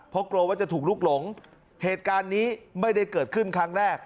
เพราะกลัวว่าจะถูกลุกหลงเหตุการณ์นี้ไม่ได้เกิดขึ้นครั้งแรก